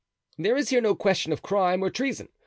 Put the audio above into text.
There is here no question of crime or treason.